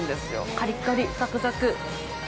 カリカリ、サクサク！